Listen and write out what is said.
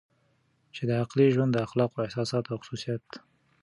چې د عقلې ژوند د اخلاقو احساسات او خصوصیات